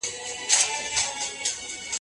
دا نجلۍ هیڅکله هم نه ستړې کېږي.